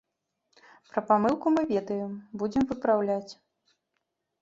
Пра памылку мы ведаем, будзем выпраўляць.